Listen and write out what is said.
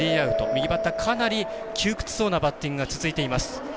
右バッター、かなり窮屈そうなバッティングが続いています。